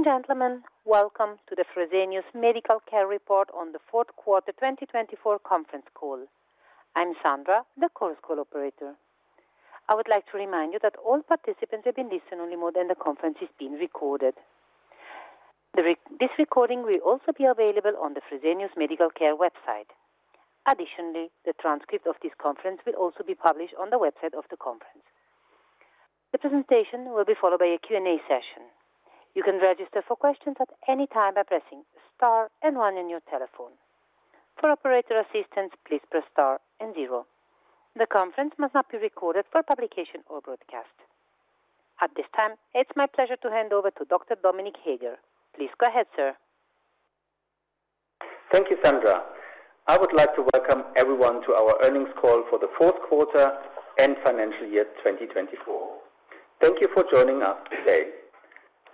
Ladies and gentlemen, welcome to the Fresenius Medical Care Report on the fourth quarter 2024 conference call. I'm Sandra, the Chorus Call operator. I would like to remind you that all participants have been placed in listen-only mode, and the conference is being recorded. This recording will also be available on the Fresenius Medical Care website. Additionally, the transcript of this conference will also be published on the company's website. The presentation will be followed by a Q&A session. You can register for questions at any time by pressing star and one on your telephone. For operator assistance, please press star and zero. The conference must not be recorded for publication or broadcast. At this time, it's my pleasure to hand over to Dr. Dominik Heger. Please go ahead, sir. Thank you, Sandra. I would like to welcome everyone to our earnings call for the fourth quarter and financial year 2024. Thank you for joining us today.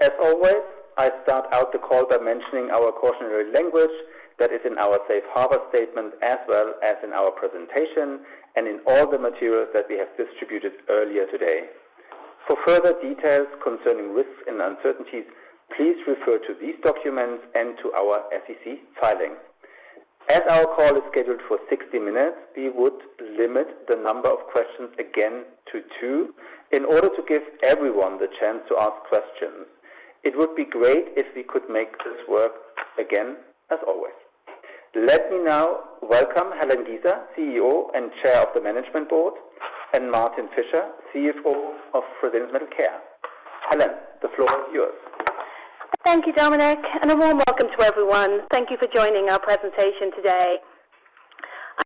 As always, I start out the call by mentioning our cautionary language that is in our safe harbor statement, as well as in our presentation and in all the materials that we have distributed earlier today. For further details concerning risks and uncertainties, please refer to these documents and to our SEC filing. As our call is scheduled for 60 minutes, we would limit the number of questions again to two in order to give everyone the chance to ask questions. It would be great if we could make this work again, as always. Let me now welcome Helen Giza, CEO and Chair of the Management Board, and Martin Fischer, CFO of Fresenius Medical Care. Helen, the floor is yours. Thank you, Dominik, and a warm welcome to everyone. Thank you for joining our presentation today.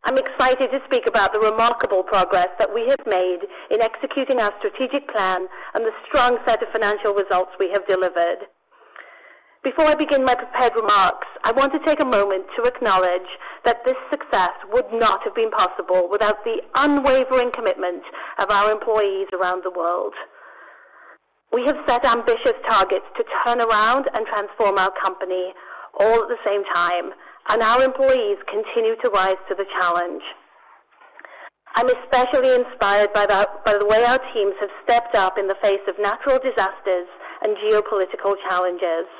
I'm excited to speak about the remarkable progress that we have made in executing our strategic plan and the strong set of financial results we have delivered. Before I begin my prepared remarks, I want to take a moment to acknowledge that this success would not have been possible without the unwavering commitment of our employees around the world. We have set ambitious targets to turn around and transform our company all at the same time, and our employees continue to rise to the challenge. I'm especially inspired by the way our teams have stepped up in the face of natural disasters and geopolitical challenges.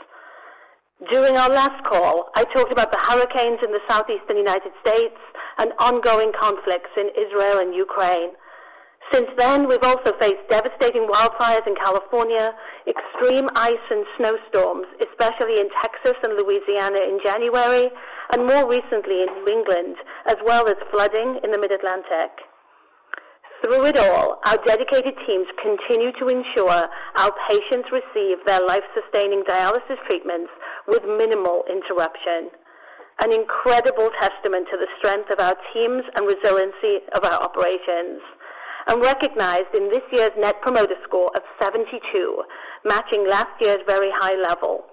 During our last call, I talked about the hurricanes in the southeastern United States and ongoing conflicts in Israel and Ukraine. Since then, we've also faced devastating wildfires in California, extreme ice and snowstorms, especially in Texas and Louisiana in January, and more recently in New England, as well as flooding in the Mid-Atlantic. Through it all, our dedicated teams continue to ensure our patients receive their life-sustaining dialysis treatments with minimal interruption, an incredible testament to the strength of our teams and resiliency of our operations, and recognized in this year's Net Promoter Score of 72, matching last year's very high level.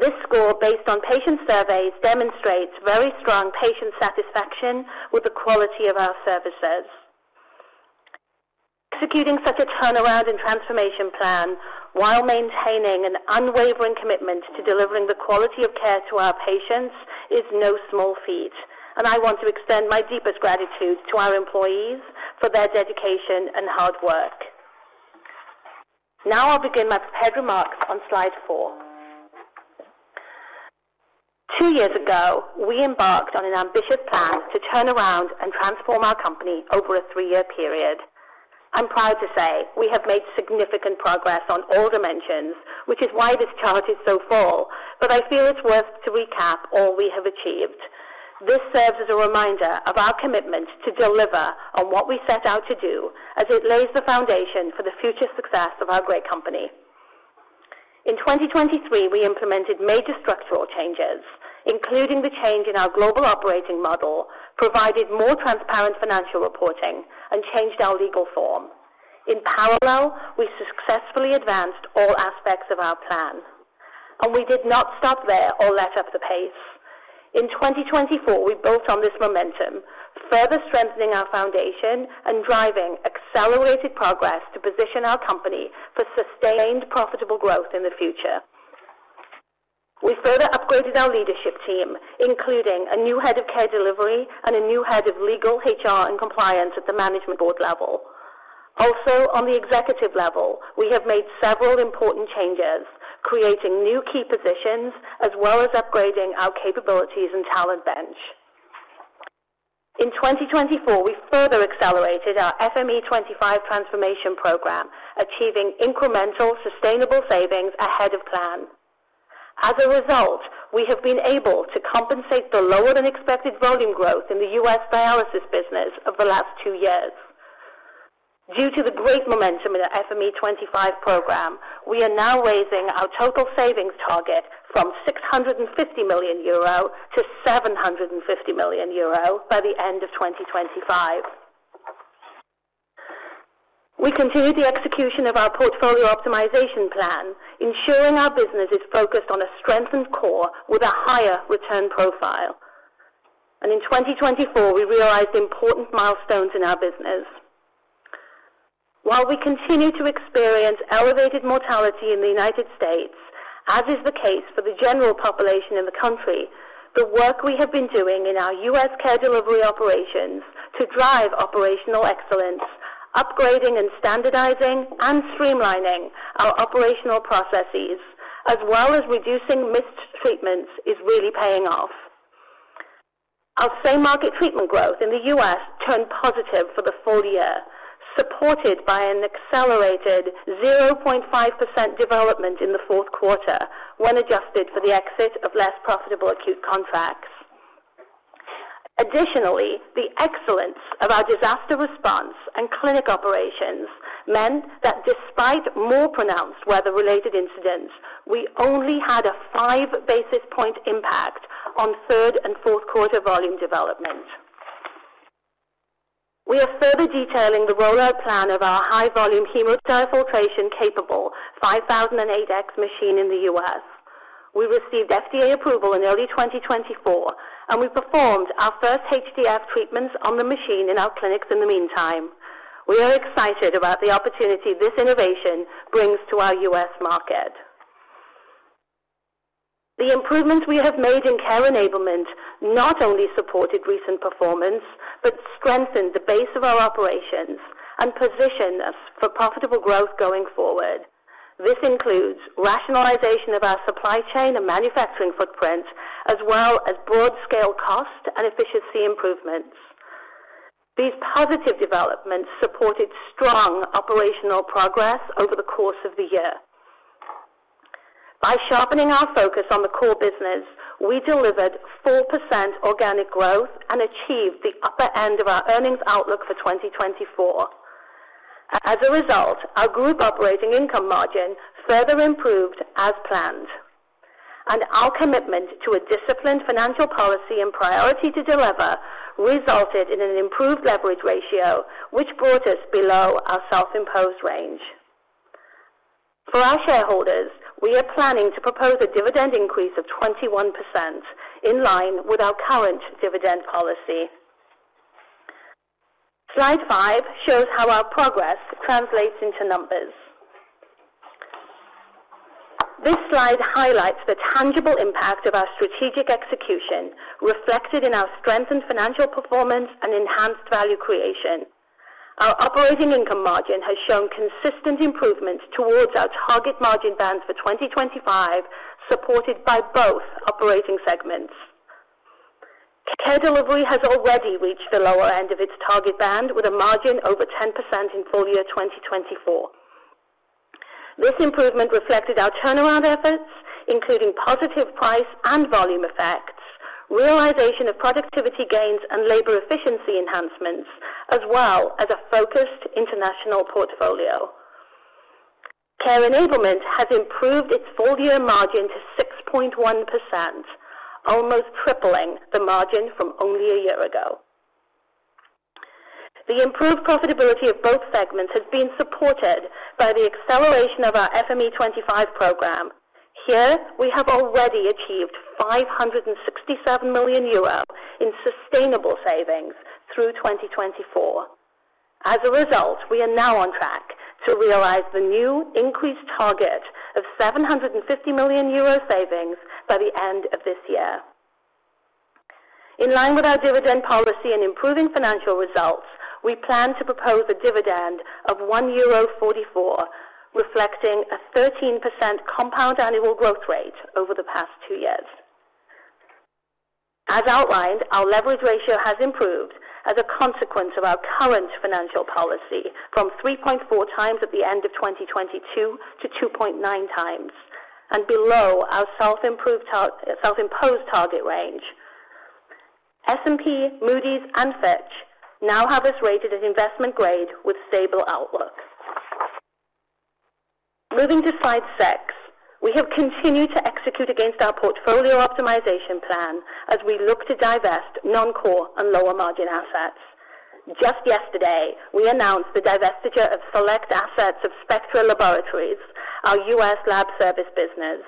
This score, based on patient surveys, demonstrates very strong patient satisfaction with the quality of our services. Executing such a turnaround and transformation plan while maintaining an unwavering commitment to delivering the quality of care to our patients is no small feat, and I want to extend my deepest gratitude to our employees for their dedication and hard work. Now I'll begin my prepared remarks on slide four. Two years ago, we embarked on an ambitious plan to turn around and transform our company over a three-year period. I'm proud to say we have made significant progress on all dimensions, which is why this chart is so full, but I feel it's worth to recap all we have achieved. This serves as a reminder of our commitment to deliver on what we set out to do, as it lays the foundation for the future success of our great company. In 2023, we implemented major structural changes, including the change in our global operating model, provided more transparent financial reporting, and changed our legal form. In parallel, we successfully advanced all aspects of our plan, and we did not stop there or let up the pace. In 2024, we built on this momentum, further strengthening our foundation and driving accelerated progress to position our company for sustained profitable growth in the future. We further upgraded our leadership team, including a new head of Care Delivery and a new head of legal, HR, and compliance at the management board level. Also, on the executive level, we have made several important changes, creating new key positions as well as upgrading our capabilities and talent bench. In 2024, we further accelerated our FME25 transformation program, achieving incremental sustainable savings ahead of plan. As a result, we have been able to compensate for lower than expected volume growth in the U.S. dialysis business of the last two years. Due to the great momentum in the FME25 program, we are now raising our total savings target from 650 million-750 million euro by the end of 2025. We continue the execution of our portfolio optimization plan, ensuring our business is focused on a strengthened core with a higher return profile, and in 2024, we realized important milestones in our business. While we continue to experience elevated mortality in the United States, as is the case for the general population in the country, the work we have been doing in our U.S. Care Delivery operations to drive operational excellence, upgrading and standardizing, and streamlining our operational processes, as well as reducing missed treatments, is really paying off. Our same market treatment growth in the U.S. turned positive for the full year, supported by an accelerated 0.5% development in the fourth quarter when adjusted for the exit of less profitable acute contracts. Additionally, the excellence of our disaster response and clinic operations meant that despite more pronounced weather-related incidents, we only had a five basis point impact on third and fourth quarter volume development. We are further detailing the rollout plan of our high-volume hemodiafiltration-capable 5008X machine in the U.S. We received FDA approval in early 2024, and we performed our first HDF treatments on the machine in our clinics in the meantime. We are excited about the opportunity this innovation brings to our U.S. market. The improvements we have made in Care Enablement not only supported recent performance but strengthened the base of our operations and positioned us for profitable growth going forward. This includes rationalization of our supply chain and manufacturing footprint, as well as broad-scale cost and efficiency improvements. These positive developments supported strong operational progress over the course of the year. By sharpening our focus on the core business, we delivered 4% organic growth and achieved the upper end of our earnings outlook for 2024. As a result, our group operating income margin further improved as planned, and our commitment to a disciplined financial policy and priority to deliver resulted in an improved leverage ratio, which brought us below our self-imposed range. For our shareholders, we are planning to propose a dividend increase of 21% in line with our current dividend policy. Slide five shows how our progress translates into numbers. This slide highlights the tangible impact of our strategic execution, reflected in our strengthened financial performance and enhanced value creation. Our operating income margin has shown consistent improvements towards our target margin band for 2025, supported by both operating segments. Care Delivery has already reached the lower end of its target band with a margin over 10% in full year 2024. This improvement reflected our turnaround efforts, including positive price and volume effects, realization of productivity gains, and labor efficiency enhancements, as well as a focused international portfolio. Care Enablement has improved its full year margin to 6.1%, almost tripling the margin from only a year ago. The improved profitability of both segments has been supported by the acceleration of our FME25 program. Here, we have already achieved 567 million euros in sustainable savings through 2024. As a result, we are now on track to realize the new increased target of 750 million euro savings by the end of this year. In line with our dividend policy and improving financial results, we plan to propose a dividend of 1.44 euro, reflecting a 13% compound annual growth rate over the past two years. As outlined, our leverage ratio has improved as a consequence of our current financial policy from 3.4 times at the end of 2022 to 2.9 times and below our self-imposed target range. S&P, Moody's, and Fitch now have us rated at investment grade with stable outlook. Moving to slide six, we have continued to execute against our portfolio optimization plan as we look to divest non-core and lower margin assets. Just yesterday, we announced the divestiture of select assets of Spectra Laboratories, our U.S. lab service business.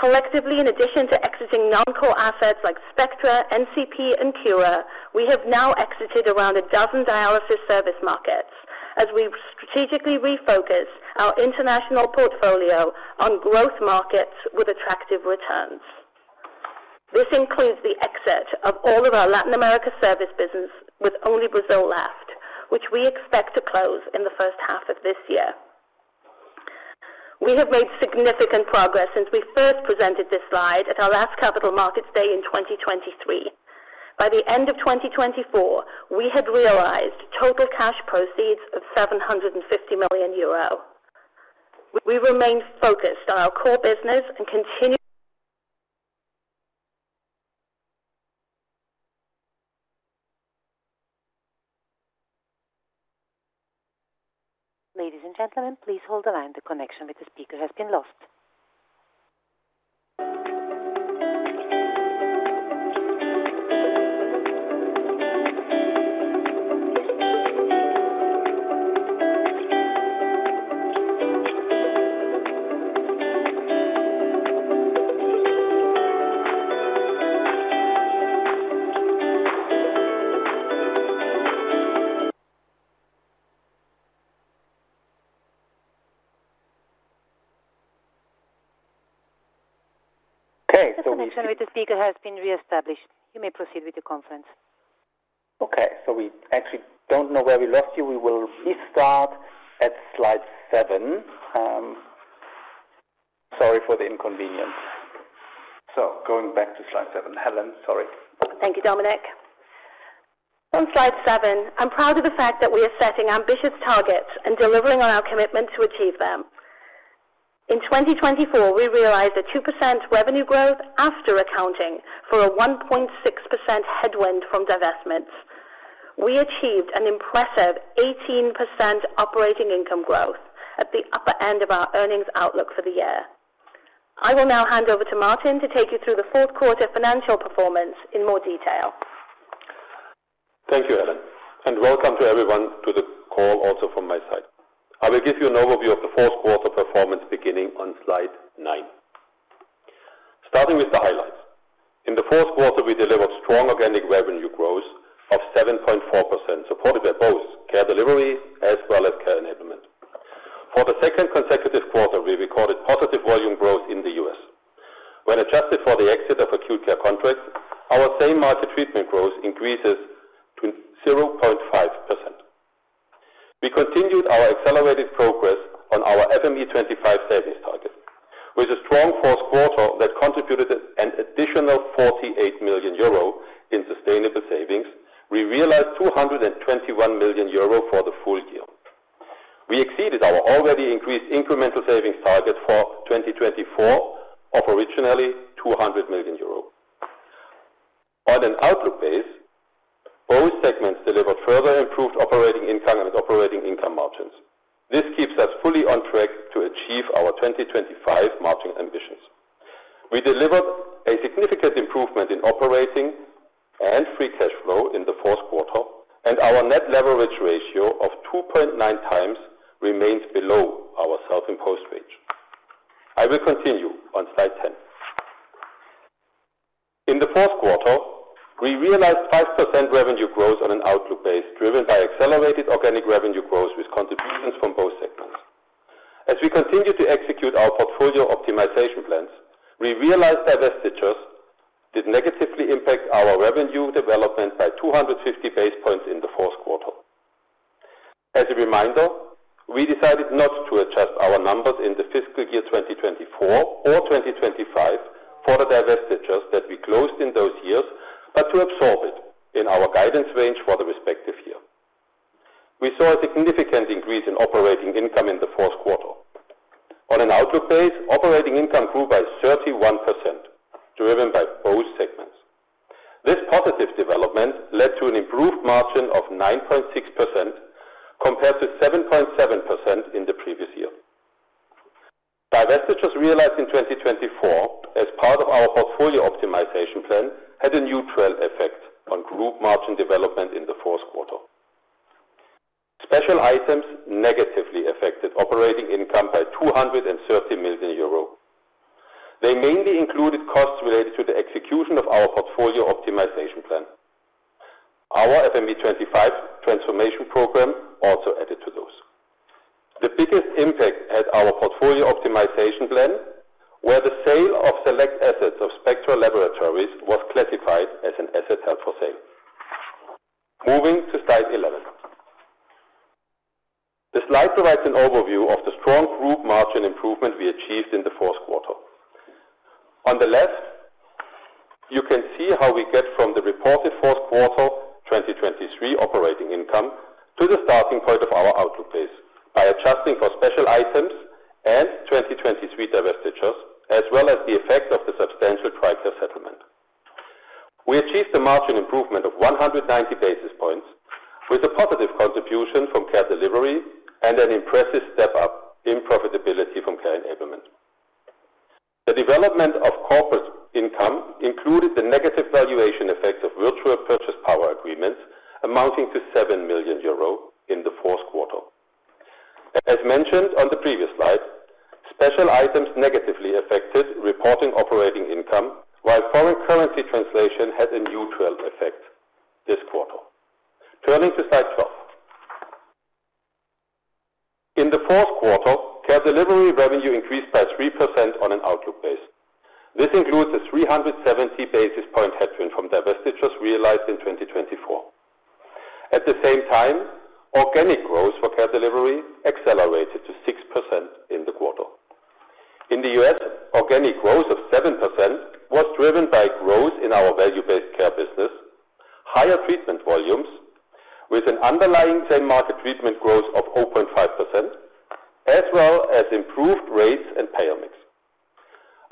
Collectively, in addition to exiting non-core assets like Spectra, NCP, and Cura, we have now exited around a dozen dialysis service markets as we strategically refocus our international portfolio on growth markets with attractive returns. This includes the exit of all of our Latin America service business with only Brazil left, which we expect to close in the first half of this year. We have made significant progress since we first presented this slide at our last Capital Markets Day in 2023. By the end of 2024, we had realized total cash proceeds of 750 million euro. We remain focused on our core business and continue. Ladies and gentlemen, please hold the line. The connection with the speaker has been lost. Okay, so we. The connection with the speaker has been reestablished. You may proceed with the conference. Okay, so we actually don't know where we lost you. We will restart at slide seven. Sorry for the inconvenience. So going back to slide seven. Helen, sorry. Thank you, Dominik. On slide seven, I'm proud of the fact that we are setting ambitious targets and delivering on our commitment to achieve them. In 2024, we realized a 2% revenue growth after accounting for a 1.6% headwind from divestments. We achieved an impressive 18% operating income growth at the upper end of our earnings outlook for the year. I will now hand over to Martin to take you through the fourth quarter financial performance in more detail. Thank you, Helen, and welcome to everyone to the call also from my side. I will give you an overview of the fourth quarter performance beginning on slide nine. Starting with the highlights, in the fourth quarter, we delivered strong organic revenue growth of 7.4%, supported by both Care Delivery as well as Care Enablement. For the second consecutive quarter, we recorded positive volume growth in the U.S. When adjusted for the exit of acute care contracts, our same market treatment growth increases to 0.5%. We continued our accelerated progress on our FME25 savings target. With a strong fourth quarter that contributed an additional 48 million euro in sustainable savings, we realized 221 million euro for the full year. We exceeded our already increased incremental savings target for 2024 of originally 200 million euros. On an outlook base, both segments delivered further improved operating income and operating income margins. This keeps us fully on track to achieve our 2025 margin ambitions. We delivered a significant improvement in operating and free cash flow in the fourth quarter, and our net leverage ratio of 2.9 times remains below our self-imposed range. I will continue on slide ten. In the fourth quarter, we realized 5% revenue growth on an outlook base driven by accelerated organic revenue growth with contributions from both segments. As we continue to execute our portfolio optimization plans, we realized divestitures did negatively impact our revenue development by 250 basis points in the fourth quarter. As a reminder, we decided not to adjust our numbers in the fiscal year 2024 or 2025 for the divestitures that we closed in those years, but to absorb it in our guidance range for the respective year. We saw a significant increase in operating income in the fourth quarter. On an outlook basis, operating income grew by 31%, driven by both segments. This positive development led to an improved margin of 9.6% compared to 7.7% in the previous year. Divestitures realized in 2024 as part of our portfolio optimization plan had a neutral effect on group margin development in the fourth quarter. Special items negatively affected operating income by 230 million euro. They mainly included costs related to the execution of our portfolio optimization plan. Our FME25 transformation program also added to those. The biggest impact had our portfolio optimization plan, where the sale of select assets of Spectra Laboratories was classified as an asset held for sale. Moving to slide 11, the slide provides an overview of the strong group margin improvement we achieved in the fourth quarter. On the left, you can see how we get from the reported fourth quarter 2023 operating income to the starting point of our outlook base by adjusting for special items and 2023 divestitures, as well as the effect of the substantial tax settlement. We achieved a margin improvement of 190 basis points with a positive contribution from Care Delivery and an impressive step up in profitability from Care Enablement. The development of corporate income included the negative valuation effect of virtual power purchase agreements amounting to 7 million euro in the fourth quarter. As mentioned on the previous slide, special items negatively affected reported operating income, while foreign currency translation had a neutral effect this quarter. Turning to Slide 12. In the fourth quarter, Care Delivery revenue increased by 3% on an outlook base. This includes a 370 basis points headwind from divestitures realized in 2024. At the same time, organic growth for Care Delivery accelerated to 6% in the quarter. In the U.S., organic growth of 7% was driven by growth in our Value-Based Care business, higher treatment volumes with an underlying same market treatment growth of 0.5%, as well as improved rates and payout mix.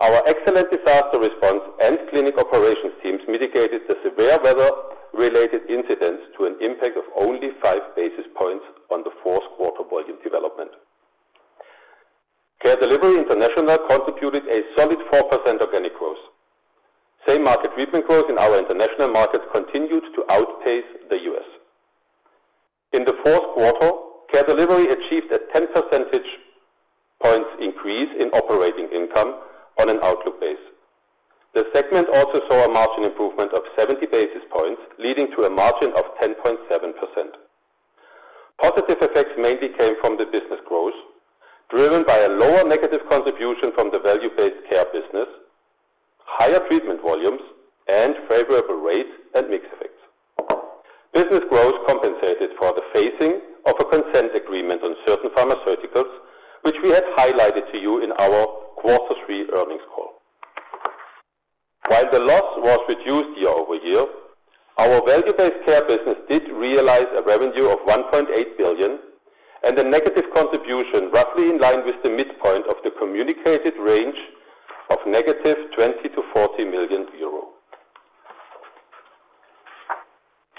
Our excellent disaster response and clinic operations teams mitigated the severe weather-related incidents to an impact of only five basis points on the fourth quarter volume development. Care Delivery International contributed a solid 4% organic growth. Same market treatment growth in our international markets continued to outpace the U.S. In the fourth quarter, Care Delivery achieved a 10 percentage points increase in operating income on an organic base. The segment also saw a margin improvement of 70 basis points, leading to a margin of 10.7%. Positive effects mainly came from the business growth, driven by a lower negative contribution from the Value-Based Care business, higher treatment volumes, and favorable rates and mix effects. Business growth compensated for the phasing of a consent agreement on certain pharmaceuticals, which we had highlighted to you in our quarter three earnings call. While the loss was reduced year-over-year, our Value-Based Care business did realize a revenue of 1.8 billion and a negative contribution roughly in line with the midpoint of the communicated range of negative 20 to 40 million euro.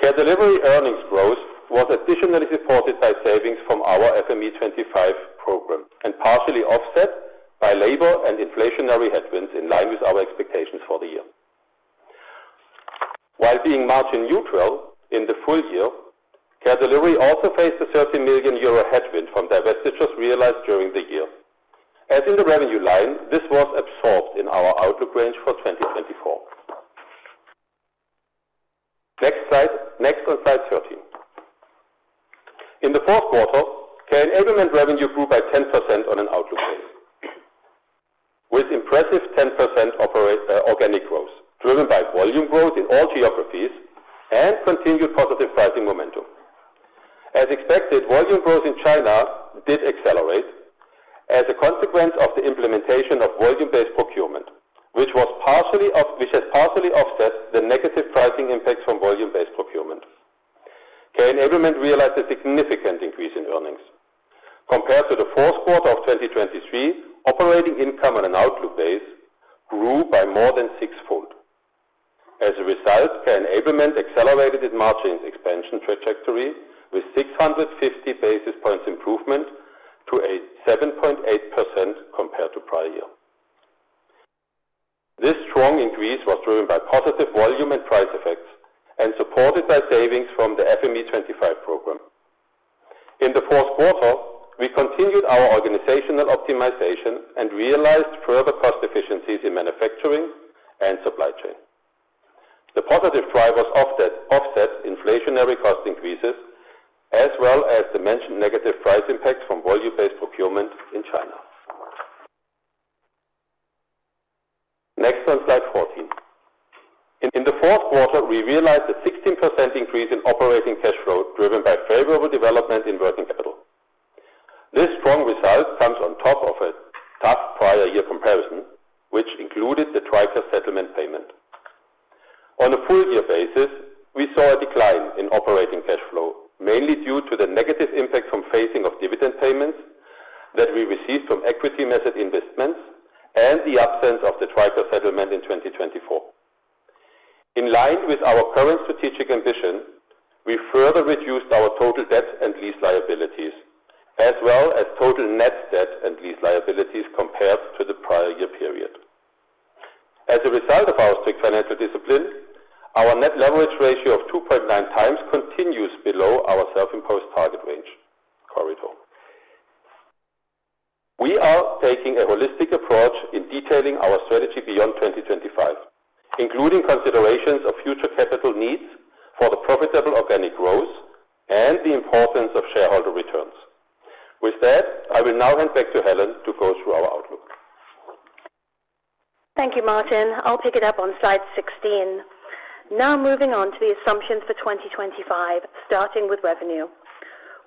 Care Delivery earnings growth was additionally supported by savings from our FME25 program and partially offset by labor and inflationary headwinds in line with our expectations for the year. While being margin neutral in the full year, Care Delivery also faced a 30 million euro headwind from divestitures realized during the year. As in the revenue line, this was absorbed in our outlook range for 2024. Next slide, next on slide thirteen. In the fourth quarter, Care Enablement revenue grew by 10% on an outlook base with impressive 10% organic growth driven by volume growth in all geographies and continued positive pricing momentum. As expected, volume growth in China did accelerate as a consequence of the implementation of Volume-Based Procurement, which has partially offset the negative pricing impacts from Volume-Based Procurement. Care Enablement realized a significant increase in earnings. Compared to the fourth quarter of 2023, operating income on an outlook base grew by more than sixfold. As a result, Care Enablement accelerated its margin expansion trajectory with 650 basis points improvement to a 7.8% compared to prior year. This strong increase was driven by positive volume and price effects and supported by savings from the FME25 program. In the fourth quarter, we continued our organizational optimization and realized further cost efficiencies in manufacturing and supply chain. The positive drivers offset inflationary cost increases as well as the mentioned negative price impacts from volume-based procurement in China. Next on slide fourteen. In the fourth quarter, we realized a 16% increase in operating cash flow driven by favorable development in working capital. This strong result comes on top of a tough prior year comparison, which included the TRICARE settlement payment. On a full year basis, we saw a decline in operating cash flow, mainly due to the negative impact from phasing of dividend payments that we received from equity-method investments and the absence of the TRICARE settlement in 2024. In line with our current strategic ambition, we further reduced our total debt and lease liabilities as well as total net debt and lease liabilities compared to the prior year period. As a result of our strict financial discipline, our net leverage ratio of 2.9 times continues below our self-imposed target range corridor. We are taking a holistic approach in detailing our strategy beyond 2025, including considerations of future capital needs for the profitable organic growth and the importance of shareholder returns. With that, I will now hand back to Helen to go through our outlook. Thank you, Martin. I'll pick it up on slide sixteen. Now moving on to the assumptions for 2025, starting with revenue.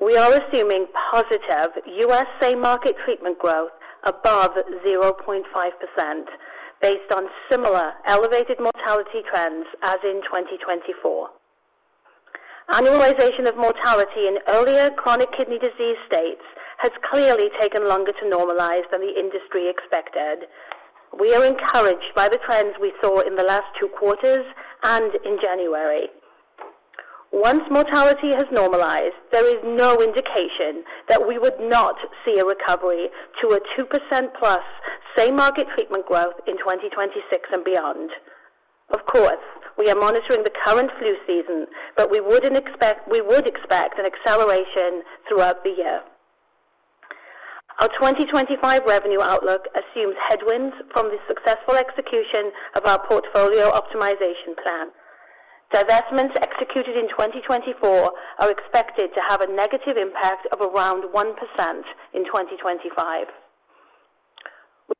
We are assuming positive U.S. same market treatment growth above 0.5% based on similar elevated mortality trends as in 2024. Annualization of mortality in earlier chronic kidney disease states has clearly taken longer to normalize than the industry expected. We are encouraged by the trends we saw in the last two quarters and in January. Once mortality has normalized, there is no indication that we would not see a recovery to a 2% plus same market treatment growth in 2026 and beyond. Of course, we are monitoring the current flu season, but we would expect an acceleration throughout the year. Our 2025 revenue outlook assumes headwinds from the successful execution of our portfolio optimization plan. Divestments executed in 2024 are expected to have a negative impact of around 1% in 2025.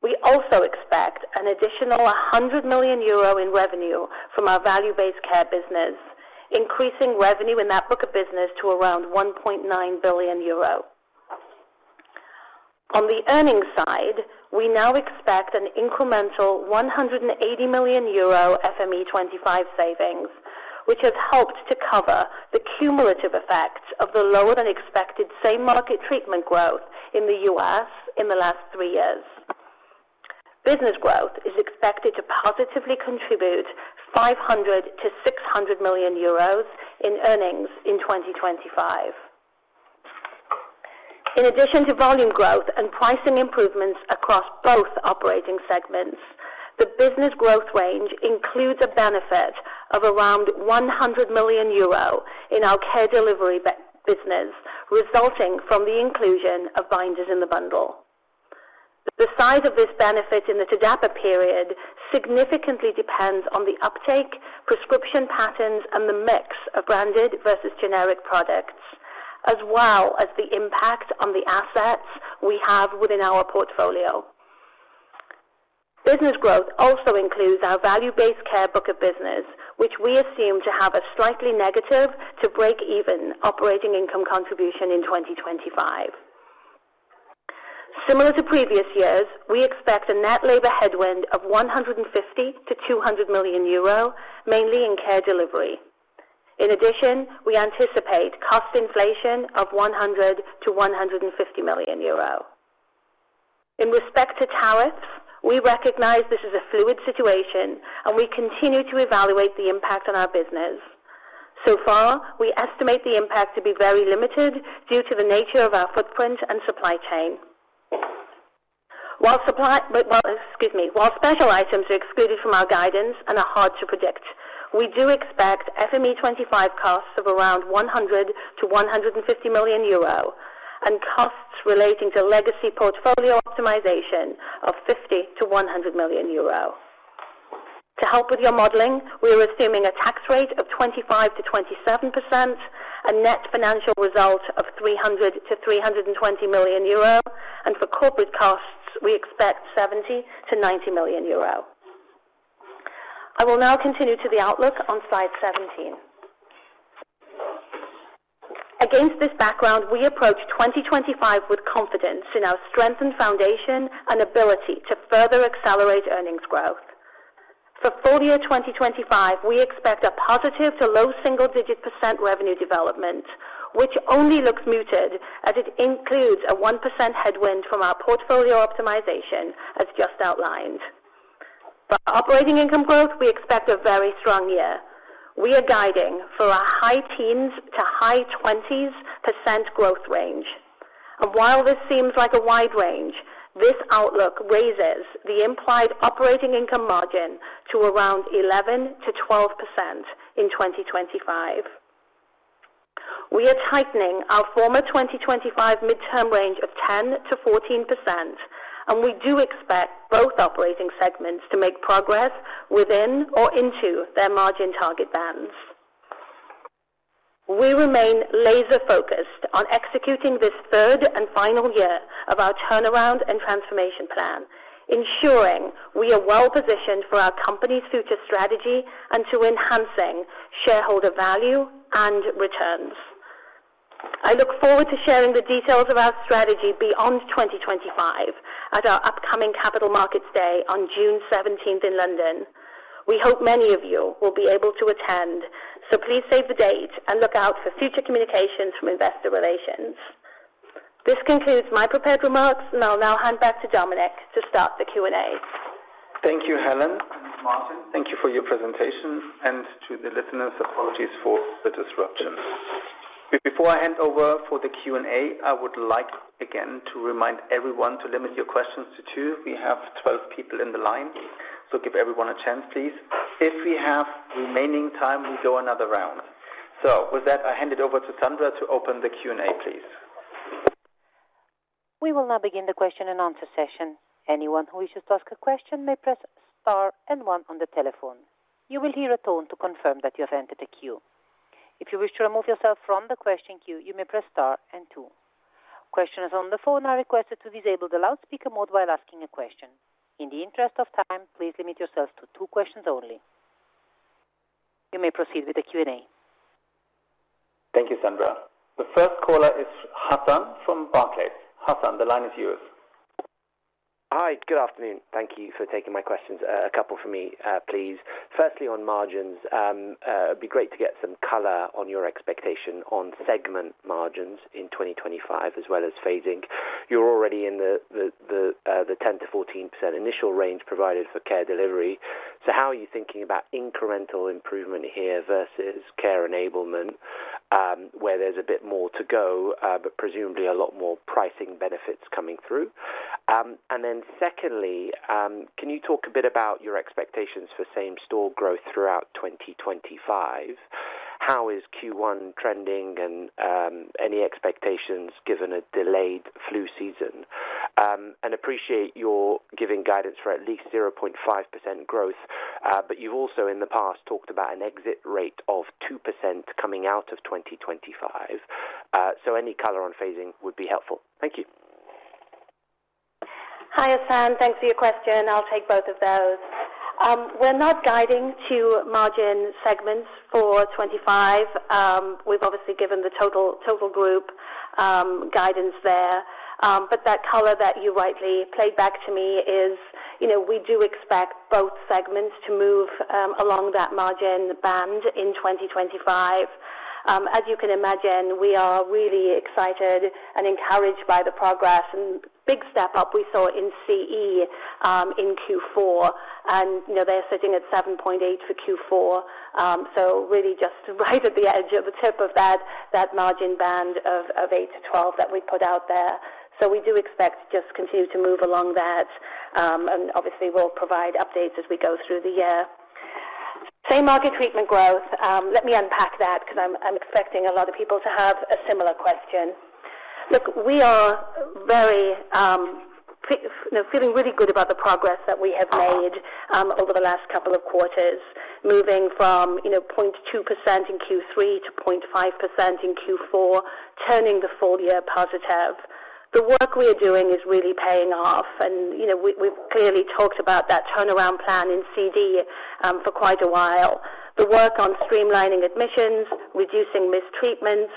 We also expect an additional 100 million euro in revenue from our Value-Based Care business, increasing revenue in that book of business to around 1.9 billion euro. On the earnings side, we now expect an incremental 180 million euro FME25 savings, which has helped to cover the cumulative effects of the lower than expected same market treatment growth in the U.S. in the last three years. Business growth is expected to positively contribute 500-600 million euros in earnings in 2025. In addition to volume growth and pricing improvements across both operating segments, the business growth range includes a benefit of around 100 million euro in our Care Delivery business, resulting from the inclusion of binders in the bundle. The size of this benefit in the TDAPA period significantly depends on the uptake, prescription patterns, and the mix of branded versus generic products, as well as the impact on the assets we have within our portfolio. Business growth also includes our Value-Based Care book of business, which we assume to have a slightly negative to break-even operating income contribution in 2025. Similar to previous years, we expect a net labor headwind of 150-200 million euro, mainly in Care Delivery. In addition, we anticipate cost inflation of 100-150 million euro. In respect to tariffs, we recognize this is a fluid situation, and we continue to evaluate the impact on our business. So far, we estimate the impact to be very limited due to the nature of our footprint and supply chain. While special items are excluded from our guidance and are hard to predict, we do expect FME25 costs of around 100-150 million euro and costs relating to legacy portfolio optimization of 50-100 million euro. To help with your modeling, we are assuming a tax rate of 25%-27%, a net financial result of 300-320 million euro, and for corporate costs, we expect 70 million-90 million euro. I will now continue to the outlook on slide seventeen. Against this background, we approach 2025 with confidence in our strengthened foundation and ability to further accelerate earnings growth. For full year 2025, we expect a positive to low single-digit % revenue development, which only looks muted as it includes a 1% headwind from our portfolio optimization, as just outlined. For operating income growth, we expect a very strong year. We are guiding for a high teens to high twenties % growth range. And while this seems like a wide range, this outlook raises the implied operating income margin to around 11%-12% in 2025. We are tightening our former 2025 midterm range of 10%-14%, and we do expect both operating segments to make progress within or into their margin target bands. We remain laser-focused on executing this third and final year of our turnaround and transformation plan, ensuring we are well-positioned for our company's future strategy and to enhancing shareholder value and returns. I look forward to sharing the details of our strategy beyond 2025 at our upcoming Capital Markets Day on June 17th in London. We hope many of you will be able to attend, so please save the date and look out for future communications from Investor Relations. This concludes my prepared remarks, and I'll now hand back to Dominik to start the Q&A. Thank you, Helen. Thank you for your presentation, and to the listeners, apologies for the disruption. Before I hand over for the Q&A, I would like again to remind everyone to limit your questions to two. We have 12 people in the line, so give everyone a chance, please. If we have remaining time, we go another round. So with that, I hand it over to Sandra to open the Q&A, please. We will now begin the question and answer session. Anyone who wishes to ask a question may press star and one on the telephone. You will hear a tone to confirm that you have entered a queue. If you wish to remove yourself from the question queue, you may press star and two. Questioners on the phone are requested to disable the loudspeaker mode while asking a question. In the interest of time, please limit yourselves to two questions only. You may proceed with the Q&A. Thank you, Sandra. The first caller is Hassan from Barclays. Hassan, the line is yours. Hi, good afternoon. Thank you for taking my questions. A couple for me, please. Firstly, on margins, it'd be great to get some color on your expectation on segment margins in 2025 as well as phasing. You're already in the 10%-14% initial range provided for Care Delivery. So how are you thinking about incremental improvement here versus Care Enablement where there's a bit more to go, but presumably a lot more pricing benefits coming through? And then secondly, can you talk a bit about your expectations for same store growth throughout 2025? How is Q1 trending and any expectations given a delayed flu season? And appreciate your giving guidance for at least 0.5% growth, but you've also in the past talked about an exit rate of 2% coming out of 2025. So any color on phasing would be helpful. Thank you. Hi, Hassan. Thanks for your question. I'll take both of those. We're not guiding to margin segments for 2025. We've obviously given the total group guidance there. But that color that you rightly played back to me is we do expect both segments to move along that margin band in 2025. As you can imagine, we are really excited and encouraged by the progress and big step up we saw in CE in Q4, and they're sitting at 7.8 for Q4, so really just right at the edge of the tip of that margin band of 8-12 that we put out there. So we do expect to just continue to move along that, and obviously we'll provide updates as we go through the year. Same market treatment growth. Let me unpack that because I'm expecting a lot of people to have a similar question. Look, we are feeling really good about the progress that we have made over the last couple of quarters, moving from 0.2% in Q3 to 0.5% in Q4, turning the full year positive. The work we are doing is really paying off, and we've clearly talked about that turnaround plan in CD for quite a while. The work on streamlining admissions, reducing missed treatments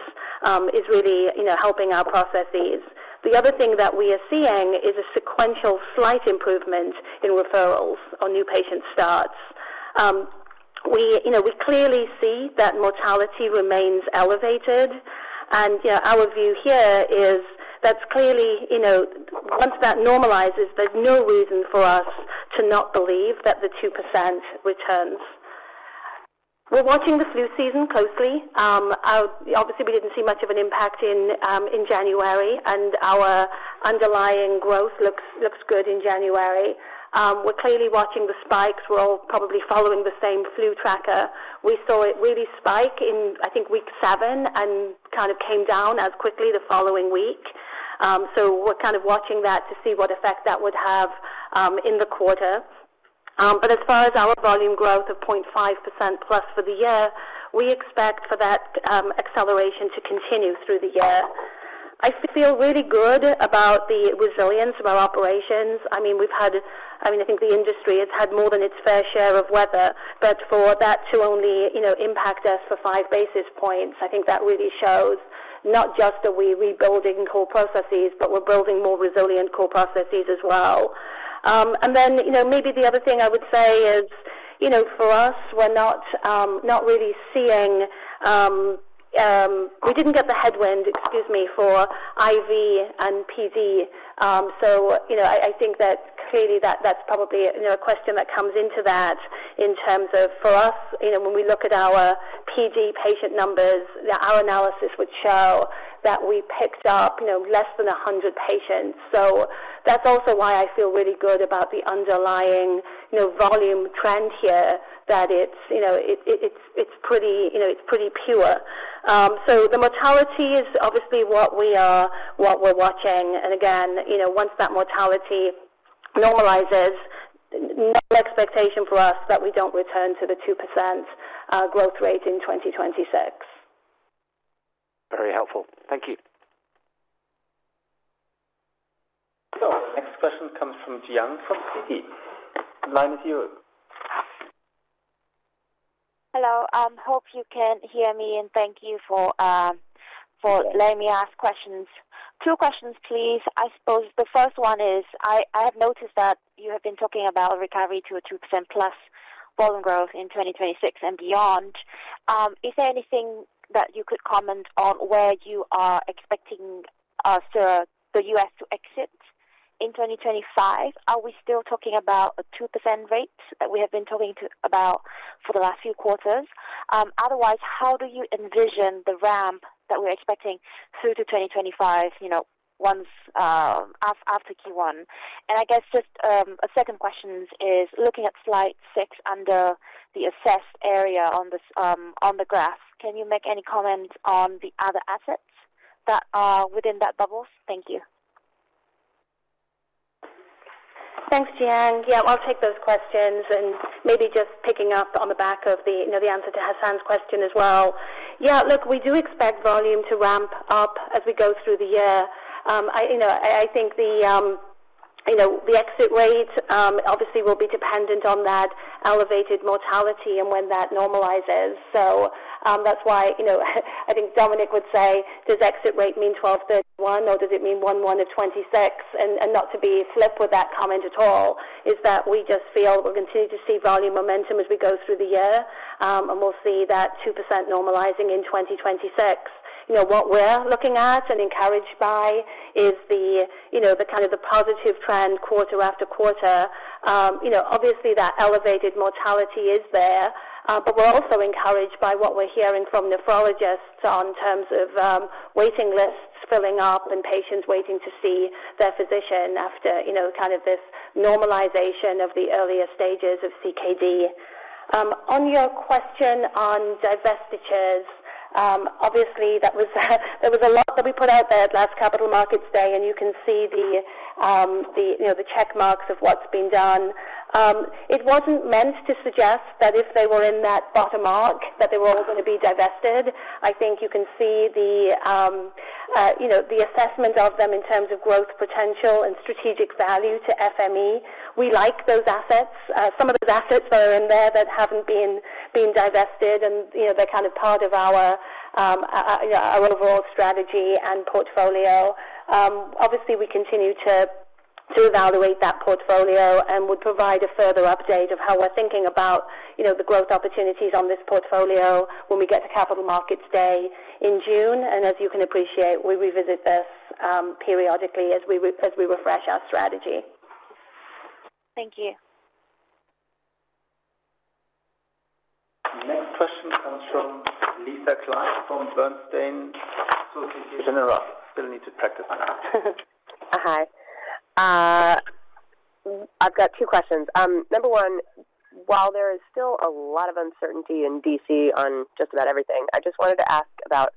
is really helping our processes. The other thing that we are seeing is a sequential slight improvement in referrals on new patient starts. We clearly see that mortality remains elevated, and our view here is that's clearly once that normalizes, there's no reason for us to not believe that the 2% returns. We're watching the flu season closely. Obviously, we didn't see much of an impact in January, and our underlying growth looks good in January. We're clearly watching the spikes. We're all probably following the same flu tracker. We saw it really spike in, I think, week seven and kind of came down as quickly the following week. So we're kind of watching that to see what effect that would have in the quarter. But as far as our volume growth of 0.5% plus for the year, we expect for that acceleration to continue through the year. I feel really good about the resilience of our operations. I mean, I think the industry has had more than its fair share of weather, but for that to only impact us for five basis points, I think that really shows not just that we're rebuilding core processes, but we're building more resilient core processes as well. And then, maybe the other thing I would say is, for us, we're not really seeing. We didn't get the headwind, excuse me, for IV and PD. So I think that clearly that's probably a question that comes into that in terms of for us, when we look at our PD patient numbers, our analysis would show that we picked up less than 100 patients. So that's also why I feel really good about the underlying volume trend here, that it's pretty pure. So the mortality is obviously what we're watching. And again, once that mortality normalizes, no expectation for us that we don't return to the 2% growth rate in 2026. Very helpful. Thank you. So the next question comes from Giang from Citi. Line with you. Hello. I hope you can hear me, and thank you for letting me ask two questions, please. I suppose the first one is I have noticed that you have been talking about a recovery to a 2% plus volume growth in 2026 and beyond. Is there anything that you could comment on where you are expecting us, the U.S., to exit in 2025? Are we still talking about a 2% rate that we have been talking about for the last few quarters? Otherwise, how do you envision the ramp that we're expecting through to 2025 after Q1? And I guess just a second question is looking at slide six under the asset area on the graph, can you make any comment on the other assets that are within that bubble? Thank you. Thanks, Giang. Yeah, I'll take those questions and maybe just picking up on the back of the answer to Hassan's question as well. Yeah, look, we do expect volume to ramp up as we go through the year. I think the exit rate obviously will be dependent on that elevated mortality and when that normalizes. So that's why I think Dominik would say, does exit rate mean 12/31, or does it mean 1/1 of 2026? And not to be flipped with that comment at all, is that we just feel we'll continue to see volume momentum as we go through the year, and we'll see that 2% normalizing in 2026. What we're looking at and encouraged by is the kind of positive trend quarter after quarter. Obviously, that elevated mortality is there, but we're also encouraged by what we're hearing from nephrologists in terms of waiting lists filling up and patients waiting to see their physician after kind of this normalization of the earlier stages of CKD. On your question on divestitures, obviously there was a lot that we put out there at last Capital Markets Day, and you can see the check marks of what's been done. It wasn't meant to suggest that if they were in that bottom mark, that they were all going to be divested. I think you can see the assessment of them in terms of growth potential and strategic value to FME. We like those assets. Some of those assets that are in there that haven't been divested, and they're kind of part of our overall strategy and portfolio. Obviously, we continue to evaluate that portfolio and would provide a further update of how we're thinking about the growth opportunities on this portfolio when we get to Capital Markets Day in June. And as you can appreciate, we revisit this periodically as we refresh our strategy. Thank you. Next question comes from Lisa Clive from Bernstein. Sorry, did you interrupt? Still need to practice. Hi. I've got two questions. One, while there is still a lot of uncertainty in DC on just about everything, I just wanted to ask about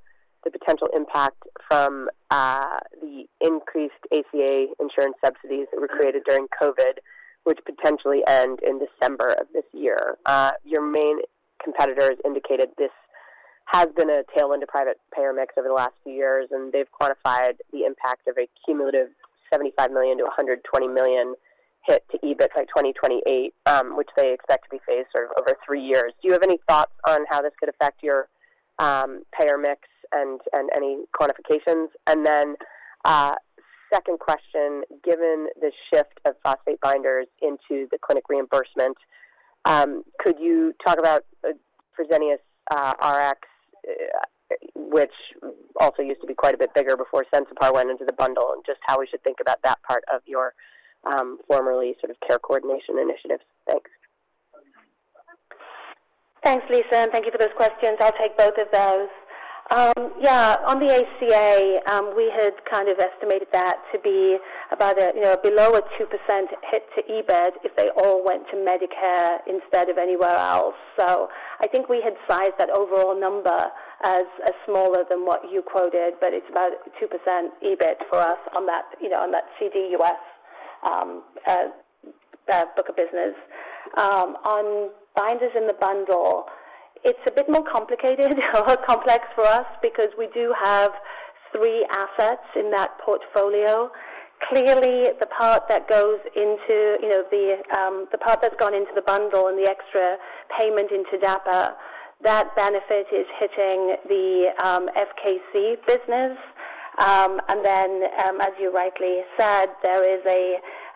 the potential impact from the increased ACA insurance subsidies that were created during COVID, which potentially end in December of this year. Your main competitors indicated this has been a tailwind to private payer mix over the last few years, and they've quantified the impact of a cumulative 75 million-120 million hit to EBIT by 2028, which they expect to be phased over three years. Do you have any thoughts on how this could affect your payer mix and any quantifications? Second question, given the shift of phosphate binders into the clinic reimbursement, could you talk about FreseniusRx, which also used to be quite a bit bigger before Sensipar went into the bundle, and just how we should think about that part of your formerly sort of care coordination initiatives? Thanks. Thanks, Lisa, and thank you for those questions. I'll take both of those. Yeah, on the ACA, we had kind of estimated that to be about below a 2% hit to EBIT if they all went to Medicare instead of anywhere else. So I think we had sized that overall number as smaller than what you quoted, but it's about 2% EBIT for us on that CD US book of business. On binders in the bundle, it's a bit more complicated or complex for us because we do have three assets in that portfolio. Clearly, the part that goes into the part that's gone into the bundle and the extra payment into TDAPA, that benefit is hitting the FKC business. And then, as you rightly said, there is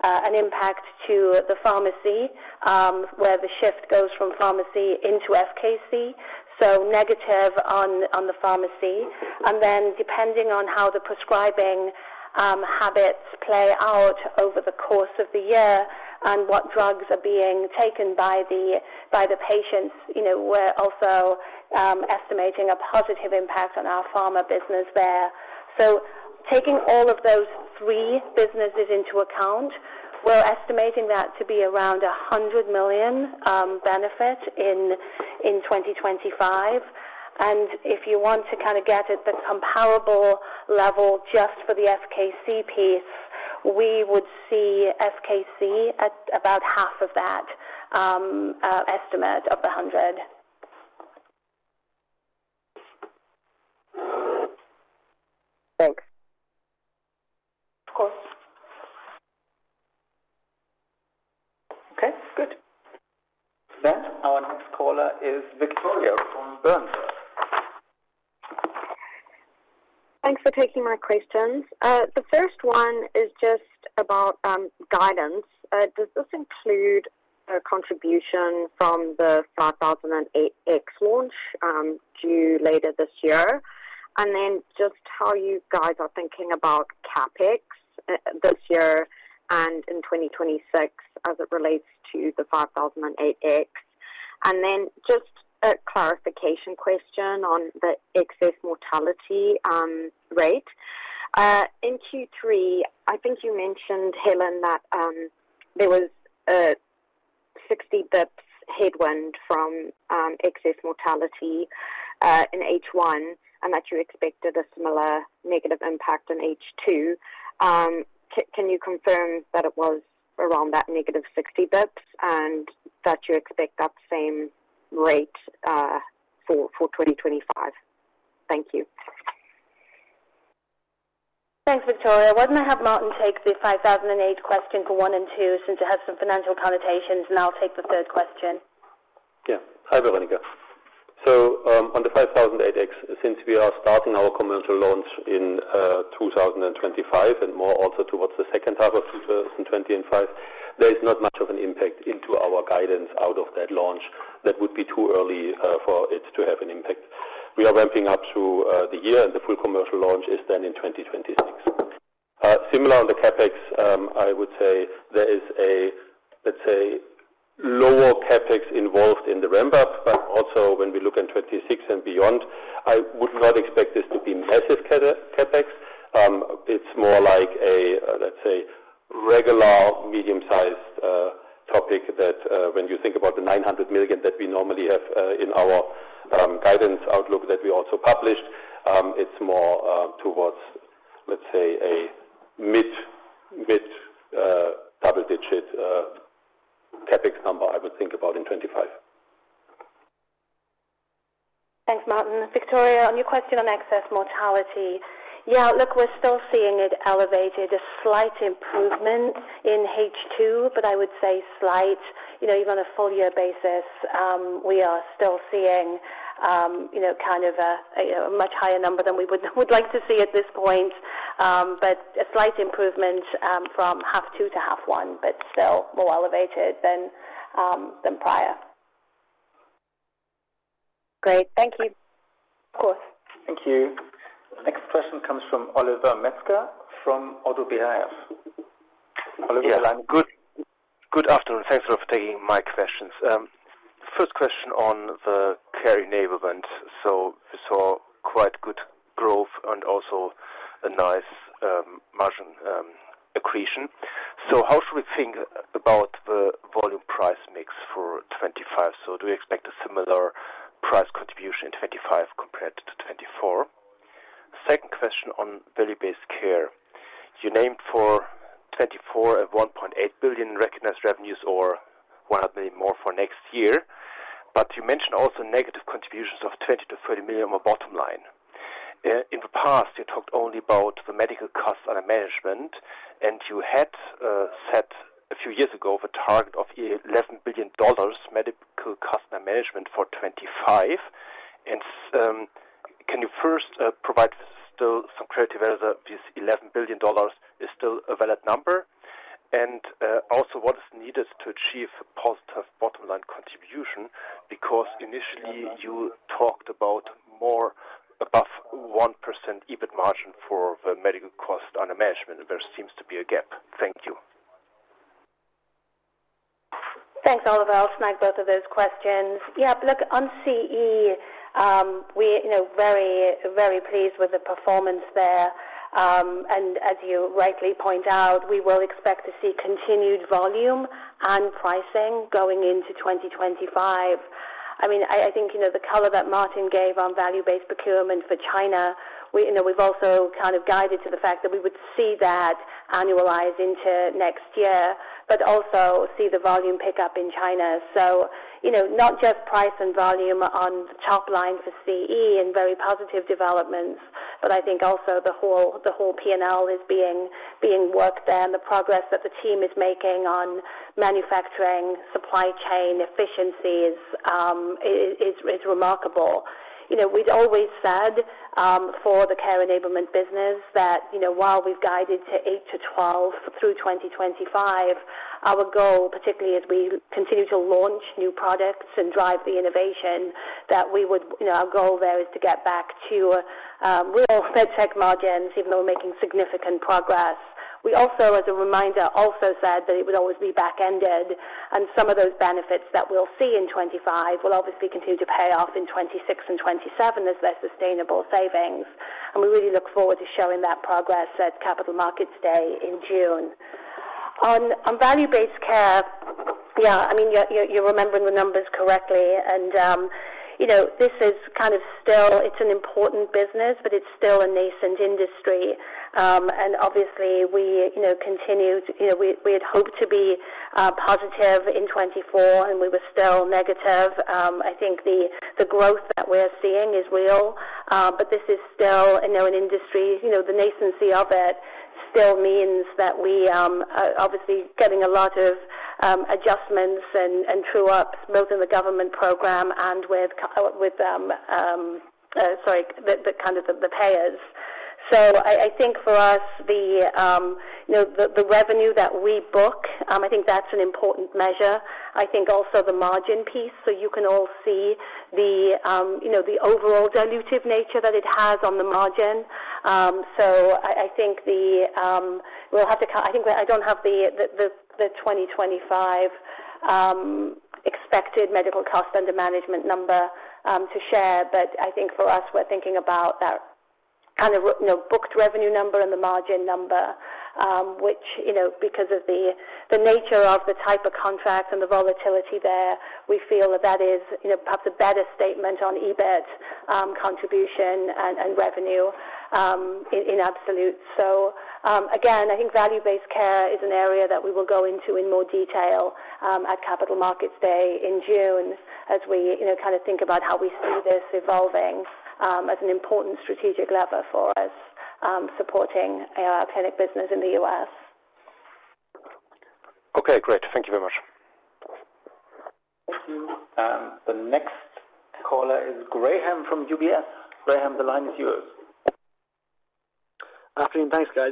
an impact to the pharmacy where the shift goes from pharmacy into FKC. So negative on the pharmacy. Then depending on how the prescribing habits play out over the course of the year and what drugs are being taken by the patients, we're also estimating a positive impact on our pharma business there. So taking all of those three businesses into account, we're estimating that to be around 100 million benefit in 2025. And if you want to kind of get at the comparable level just for the FKC piece, we would see FKC at about half of that estimate of the 100. Thanks. Of course. Okay. Good. Then our next caller is Victoria from Berenberg. Thanks for taking my questions. The first one is just about guidance. Does this include a contribution from the 5008X launch due later this year? And then just how you guys are thinking about CapEx this year and in 2026 as it relates to the 5008X? And then just a clarification question on the excess mortality rate. In Q3, I think you mentioned, Helen, that there was a 60 basis points headwind from excess mortality in H1 and that you expected a similar negative impact in H2. Can you confirm that it was around that negative 60 basis points and that you expect that same rate for 2025? Thank you. Thanks, Victoria. Why don't I have Martin take the 5008 question for one and two since it has some financial connotations, and I'll take the third question. Yeah. Hi, Veronika. So on the 5008X, since we are starting our commercial launch in 2025 and more also towards the second half of 2025, there is not much of an impact into our guidance out of that launch. That would be too early for it to have an impact. We are ramping up through the year, and the full commercial launch is then in 2026. Similar on the CapEx, I would say there is a, let's say, lower CapEx involved in the ramp-up, but also when we look at 2026 and beyond, I would not expect this to be massive CapEx. It's more like a, let's say, regular medium-sized topic that when you think about the 900 million that we normally have in our guidance outlook that we also published, it's more towards, let's say, a mid-double-digit CapEx number, I would think, about in 2025. Thanks, Martin. Victoria, on your question on excess mortality, yeah, look, we're still seeing it elevated, a slight improvement in H2, but I would say slight. Even on a full-year basis, we are still seeing kind of a much higher number than we would like to see at this point, but a slight improvement from half two to half one, but still more elevated than prior. Great. Thank you. Of course. Thank you. Next question comes from Oliver Metzger from ODDO BHF. Oliver Metzger. Good afternoon. Thanks for taking my questions. First question on the Care Enablement. So we saw quite good growth and also a nice margin accretion. So how should we think about the volume price mix for 2025? So do we expect a similar price contribution in 2025 compared to 2024? Second question on Value-Based Care. You named for 2024 at 1.8 billion recognized revenues or 100 million more for next year, but you mentioned also negative contributions of 20 million-30 million on the bottom line. In the past, you talked only about the medical costs and management, and you had set a few years ago the target of $1 billion medical costs and management for 2025. And can you first provide still some clarity whether this $11 billion is still a valid number? And also, what is needed to achieve a positive bottom line contribution? Because initially, you talked about more above 1% EBIT margin for the medical cost and management, and there seems to be a gap. Thank you. Thanks, Oliver. I'll snag both of those questions. Yeah, look, on CE, we're very, very pleased with the performance there. And as you rightly point out, we will expect to see continued volume and pricing going into 2025. I mean, I think the color that Martin gave on Volume-Based Procurement for China, we've also kind of guided to the fact that we would see that annualized into next year, but also see the volume pickup in China. So not just price and volume on the top line for CE and very positive developments, but I think also the whole P&L is being worked there, and the progress that the team is making on manufacturing supply chain efficiencies is remarkable. We'd always said for the Care Enablement business that while we've guided to 8%-12% through 2025, our goal, particularly as we continue to launch new products and drive the innovation, that our goal there is to get back to real mid-teens margins, even though we're making significant progress. We also, as a reminder, also said that it would always be back-ended, and some of those benefits that we'll see in 2025 will obviously continue to pay off in 2026 and 2027 as they're sustainable savings. And we really look forward to showing that progress at Capital Markets Day in June. On Value-Based Care, yeah, I mean, you're remembering the numbers correctly, and this is kind of still, it's an important business, but it's still a nascent industry. And obviously, we continued to, we had hoped to be positive in 2024, and we were still negative. I think the growth that we're seeing is real, but this is still an industry. The nascency of it still means that we are obviously getting a lot of adjustments and true-ups both in the government program and with, sorry, kind of the payers. So I think for us, the revenue that we book, I think that's an important measure. I think also the margin piece, so you can all see the overall dilutive nature that it has on the margin. So I think we'll have to, I think I don't have the 2025 expected medical cost under management number to share, but I think for us, we're thinking about that kind of booked revenue number and the margin number, which because of the nature of the type of contract and the volatility there, we feel that that is perhaps a better statement on EBIT contribution and revenue in absolute. So again, I think Value-Based Care is an area that we will go into in more detail at Capital Markets Day in June as we kind of think about how we see this evolving as an important strategic lever for us supporting our clinic business in the U.S. Okay. Great. Thank you very much. Thank you. The next caller is Graham from UBS. Graham, the line is yours. Afternoon. Thanks, guys.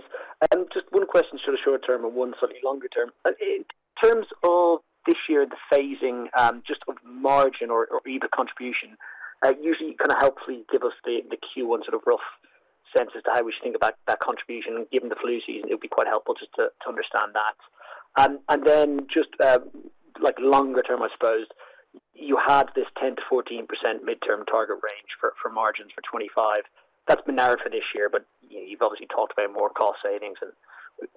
Just one question sort of short-term and one slightly longer term. In terms of this year, the phasing just of margin or EBIT contribution, usually kind of helps give us the Q1 sort of rough sense as to how we should think about that contribution. Given the flu season, it would be quite helpful just to understand that. And then just longer term, I suppose, you had this 10%-14% midterm target range for margins for 2025. That's been narrowed for this year, but you've obviously talked about more cost savings, and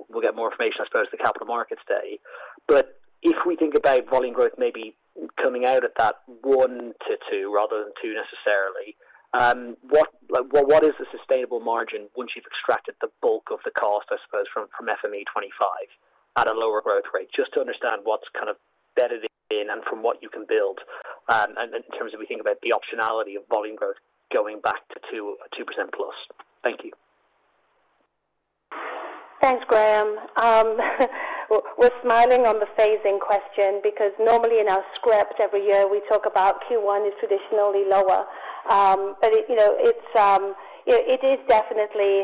we'll get more information, I suppose, at the Capital Markets Day. But if we think about volume growth maybe coming out at that one to two rather than two necessarily, what is the sustainable margin once you've extracted the bulk of the cost, I suppose, from FME25 at a lower growth rate? Just to understand what's kind of bedded in and from what you can build in terms of we think about the optionality of volume growth going back to 2% plus? Thank you. Thanks, Graham. We're smiling on the phasing question because normally in our script every year, we talk about Q1 is traditionally lower, but it is definitely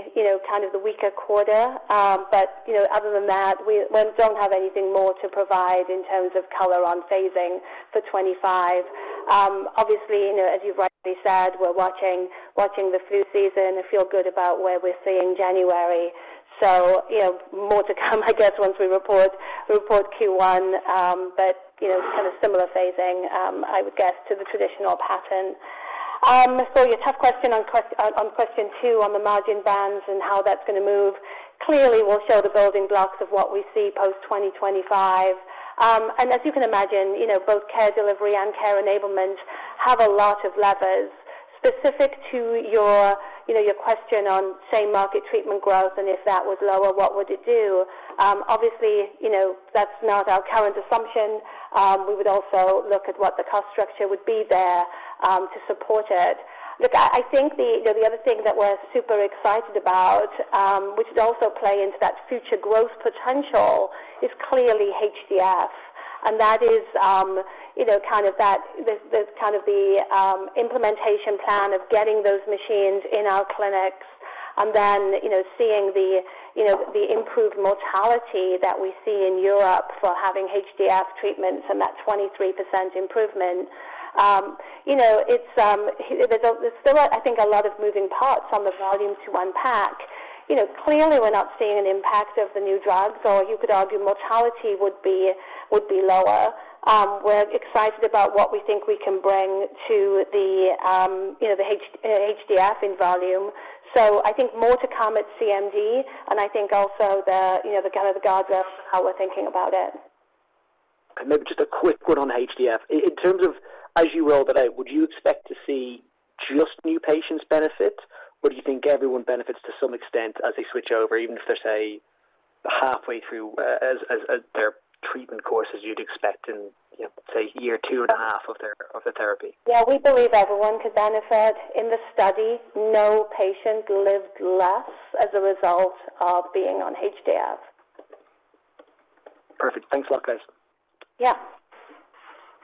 kind of the weaker quarter. But other than that, we don't have anything more to provide in terms of color on phasing for 2025. Obviously, as you've rightly said, we're watching the flu season and feel good about where we're seeing January. So more to come, I guess, once we report Q1, but kind of similar phasing, I would guess, to the traditional pattern. So your tough question on question two on the margin bands and how that's going to move, clearly will show the building blocks of what we see post-2025. And as you can imagine, both Care Delivery and Care Enablement have a lot of levers. Specific to your question on same market treatment growth and if that was lower, what would it do? Obviously, that's not our current assumption. We would also look at what the cost structure would be there to support it. Look, I think the other thing that we're super excited about, which would also play into that future growth potential, is clearly HDF. And that is kind of that, kind of the implementation plan of getting those machines in our clinics and then seeing the improved mortality that we see in Europe for having HDF treatments and that 23% improvement. There's still, I think, a lot of moving parts on the volume to unpack. Clearly, we're not seeing an impact of the new drugs, or you could argue mortality would be lower. We're excited about what we think we can bring to the HDF in volume. So I think more to come at CMD, and I think also the kind of the guardrails for how we're thinking about it. Maybe just a quick one on HDF. In terms of, as you rolled it out, would you expect to see just new patients benefit? Or do you think everyone benefits to some extent as they switch over, even if they're, say, halfway through their treatment course, as you'd expect in, say, year two and a half of the therapy? Yeah, we believe everyone could benefit. In the study, no patient lived less as a result of being on HDF. Perfect. Thanks a lot, guys. Yeah.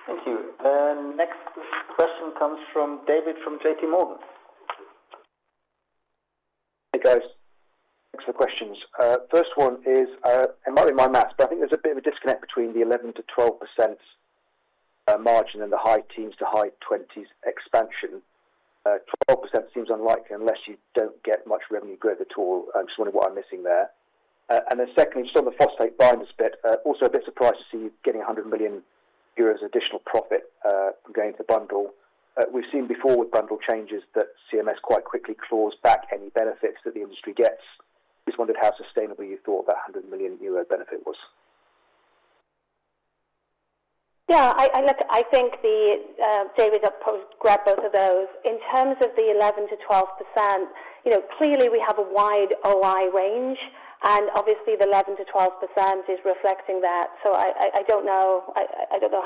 Thank you. The next question comes from David Adlington from JPMorgan. Hey, guys. Thanks for the questions. First one is, and might be my math, but I think there's a bit of a disconnect between the 11%-12% margin and the high teens to high twenties expansion. 12% seems unlikely unless you don't get much revenue growth at all. I just wonder what I'm missing there. And then secondly, just on the phosphate binders bit, also a bit surprised to see you getting 100 million euros additional profit from going into the bundle. We've seen before with bundle changes that CMS quite quickly claws back any benefits that the industry gets. Just wondered how sustainable you thought that 100 million euro benefit was. Yeah, I think David grabbed both of those. In terms of the 11%-12%, clearly we have a wide OI range, and obviously the 11%-12% is reflecting that. So I don't know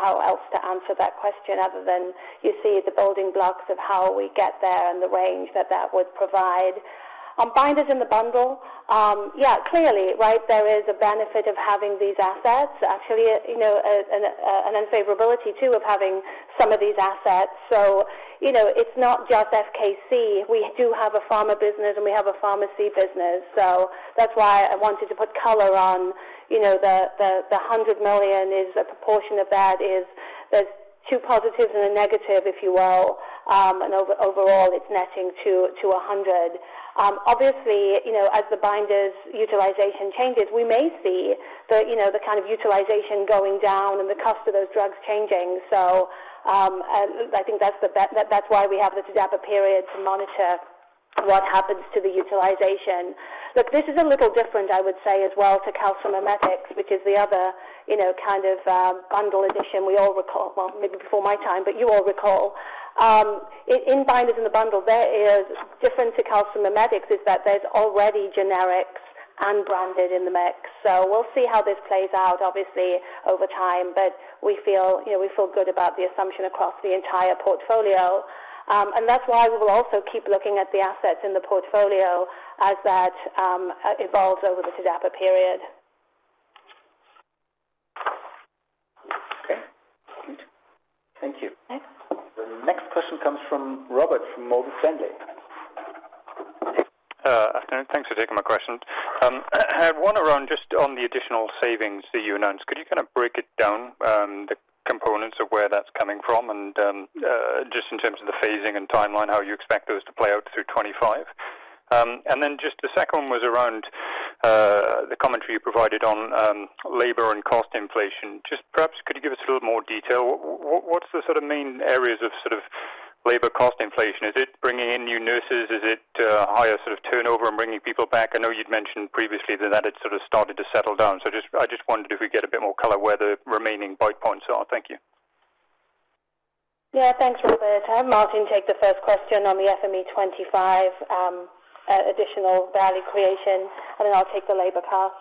how else to answer that question other than you see the building blocks of how we get there and the range that that would provide. On binders in the bundle, yeah, clearly, right, there is a benefit of having these assets. Actually, an unfavorability too of having some of these assets. So it's not just FKC. We do have a pharma business, and we have a pharmacy business. So that's why I wanted to put color on the 100 million is a proportion of that is there's two positives and a negative, if you will. And overall, it's netting to 100. Obviously, as the binders utilization changes, we may see the kind of utilization going down and the cost of those drugs changing. So I think that's why we have the TDAPA period to monitor what happens to the utilization. Look, this is a little different, I would say, as well to calcium and calcimimetics, which is the other kind of bundle addition we all recall. Well, maybe before my time, but you all recall. In binders in the bundle, there is different to calcium and calcimimetics is that there's already generics and branded in the mix. So we'll see how this plays out, obviously, over time, but we feel good about the assumption across the entire portfolio, and that's why we will also keep looking at the assets in the portfolio as that evolves over the TDAPA period. Okay. Thank you. The next question comes from Robert from Morgan Stanley. Afternoon. Thanks for taking my question. I had one around just on the additional savings that you announced. Could you kind of break it down, the components of where that's coming from, and just in terms of the phasing and timeline, how you expect those to play out through 2025? And then just the second one was around the commentary you provided on labor and cost inflation. Just perhaps, could you give us a little more detail? What's the sort of main areas of sort of labor cost inflation? Is it bringing in new nurses? Is it higher sort of turnover and bringing people back? I know you'd mentioned previously that that had sort of started to settle down. So I just wondered if we get a bit more color where the remaining bite points are? Thank you. Yeah, thanks, Robert. I have Martin take the first question on the FME25 additional value creation, and then I'll take the labor cost.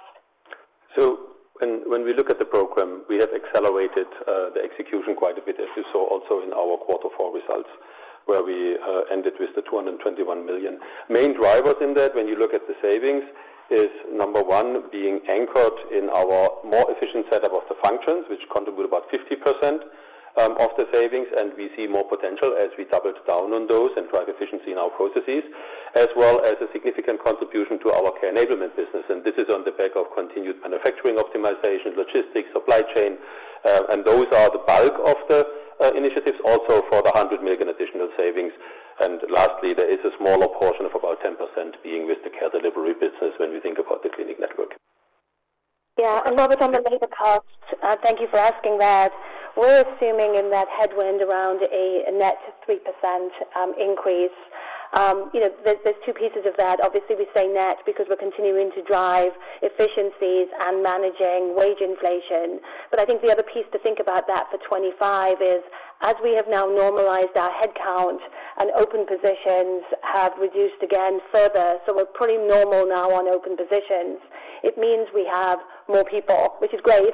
When we look at the program, we have accelerated the execution quite a bit, as you saw also in our quarter four results, where we ended with the 221 million. Main drivers in that, when you look at the savings, is number one being anchored in our more efficient setup of the functions, which contribute about 50% of the savings. We see more potential as we doubled down on those and drive efficiency in our processes, as well as a significant contribution to our Care Enablement business. This is on the back of continued manufacturing optimization, logistics, supply chain. Those are the bulk of the initiatives, also for the 100 million additional savings. Lastly, there is a smaller portion of about 10% being with the Care Delivery business when we think about the clinic network. Yeah. And Robert, on the labor cost, thank you for asking that. We're assuming in that headwind around a net 3% increase. There's two pieces of that. Obviously, we say net because we're continuing to drive efficiencies and managing wage inflation. But I think the other piece to think about that for 2025 is, as we have now normalized our headcount, and open positions have reduced again further. So we're pretty normal now on open positions. It means we have more people, which is great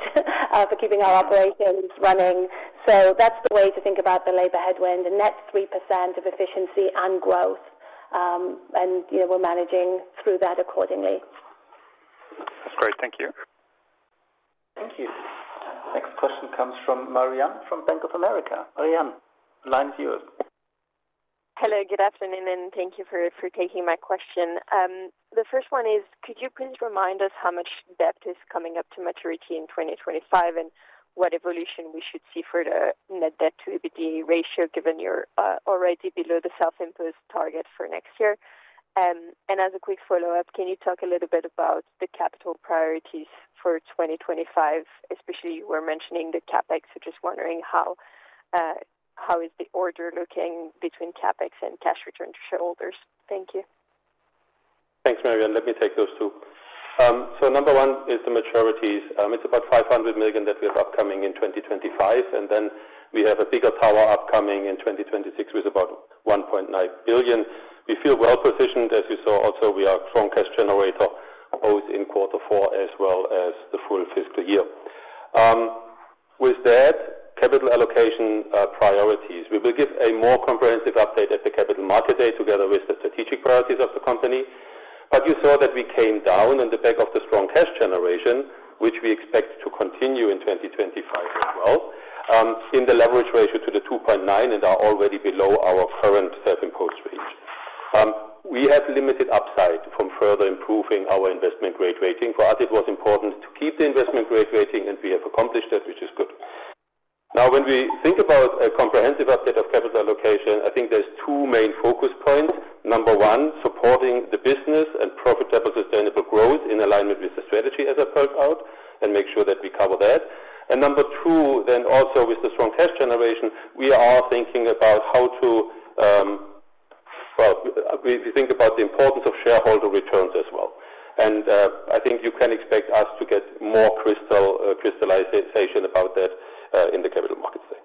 for keeping our operations running. So that's the way to think about the labor headwind, the net 3% of efficiency and growth. And we're managing through that accordingly. That's great. Thank you. Thank you. Next question comes from Marianne from Bank of America. Marianne, the line is yours. Hello. Good afternoon, and thank you for taking my question. The first one is, could you please remind us how much debt is coming up to maturity in 2025 and what evolution we should see for the net debt to EBITDA ratio given you're already below the self-imposed target for next year? And as a quick follow-up, can you talk a little bit about the capital priorities for 2025? Especially, you were mentioning the CapEx, so just wondering how is the order looking between CapEx and cash return to shareholders? Thank you. Thanks, Marianne. Let me take those two, so number one is the maturities. It's about 500 million that we have upcoming in 2025, and then we have a bigger tower upcoming in 2026 with about 1.9 billion. We feel well positioned, as you saw also, we are a strong cash generator both in quarter four as well as the full fiscal year. With that, capital allocation priorities. We will give a more comprehensive update at the Capital Markets Day together with the strategic priorities of the company, but you saw that we came down on the back of the strong cash generation, which we expect to continue in 2025 as well, in the leverage ratio to the 2.9 and are already below our current self-imposed range. We had limited upside from further improving our investment grade rating. For us, it was important to keep the investment grade rating, and we have accomplished that, which is good. Now, when we think about a comprehensive update of capital allocation, I think there's two main focus points. Number one, supporting the business and profitable sustainable growth in alignment with the strategy, as I've worked out, and make sure that we cover that and number two, then also with the strong cash generation, we are thinking about how to, well, we think about the importance of shareholder returns as well, and I think you can expect us to get more crystallization about that in the Capital Markets Day.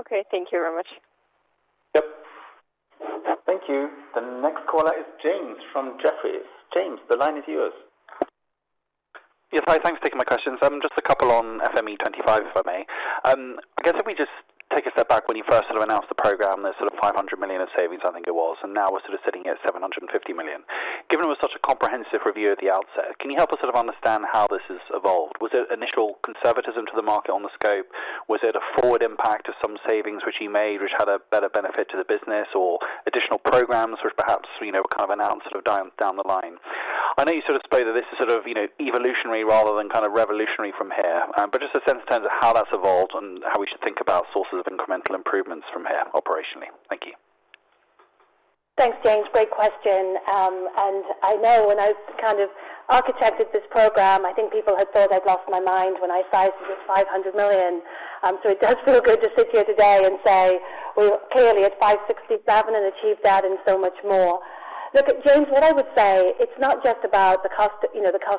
Okay. Thank you very much. Yep. Thank you. The next caller is James from Jefferies. James, the line is yours. Yes, hi. Thanks for taking my questions. Just a couple on FME25, if I may. I guess if we just take a step back when you first sort of announced the program, there's sort of 500 million of savings, I think it was, and now we're sort of sitting at 750 million. Given it was such a comprehensive review at the outset, can you help us sort of understand how this has evolved? Was it initial conservatism to the market on the scope? Was it a forward impact of some savings which you made which had a better benefit to the business or additional programs which perhaps were kind of announced sort of down the line? I know you sort of spoke that this is sort of evolutionary rather than kind of revolutionary from here. But just a sense in terms of how that's evolved and how we should think about sources of incremental improvements from here operationally. Thank you. Thanks, James. Great question. I know when I kind of architected this program, I think people had thought I'd lost my mind when I sized it with 500 million. So it does feel good to sit here today and say we clearly had 567 million and achieved that and so much more. Look, James, what I would say, it's not just about the cost